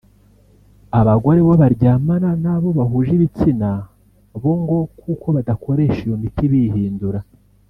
Abagore bo baryamana na bo bahuje ibitsina bo ngo kuko badakoresha iyo miti bihindura